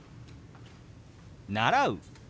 「習う」。